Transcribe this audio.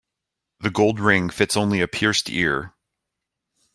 The gold ring fits only a pierced ear.